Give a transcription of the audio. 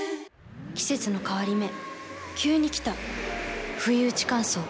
季節の変わり目急に来たふいうち乾燥。